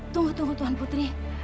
tunggu tuhan putri